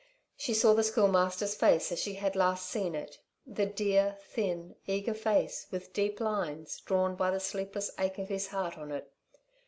She saw the Schoolmaster's face as she had last seen it the dear, thin, eager face with deep lines, drawn by the sleepless ache of his heart, on it.